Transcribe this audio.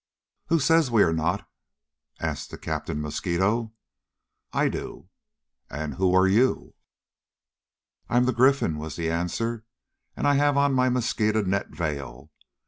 "Who says we are not?" asked the captain mosquito. "I do!" "And who are you?" "I am the Gryphon!" was the answer. "And I have on my mosquito net veil.